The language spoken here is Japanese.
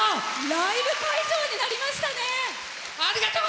ライブ会場になりましたね。